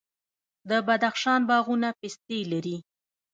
د بدخشان باغونه پستې لري.